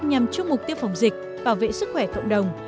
nhằm chung mục tiêu phòng dịch bảo vệ sức khỏe cộng đồng